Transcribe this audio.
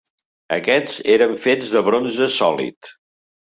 Aquests eren fets de bronze sòlid.